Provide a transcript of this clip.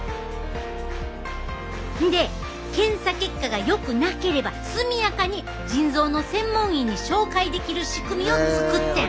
んで検査結果がよくなければ速やかに腎臓の専門医に紹介できる仕組みを作ってる。